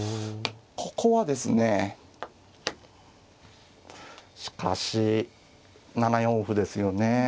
ここはですねしかし７四歩ですよね。